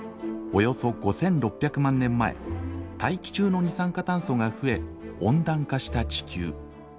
およそ５，６００万年前大気中の二酸化炭素が増え温暖化した地球。